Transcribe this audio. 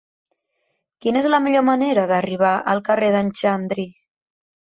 Quina és la millor manera d'arribar al carrer d'en Xandri?